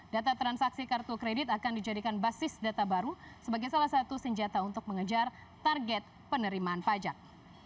data transaksi kartu kredit akan dijadikan basis data baru sebagai salah satu senjata untuk mengejar target penerimaan pajak